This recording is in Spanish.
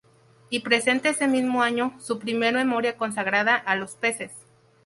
Y presenta ese mismo año su primer memoria consagrada a los peces.